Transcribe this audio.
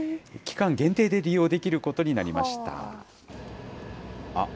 期間限定で利用できることになりました。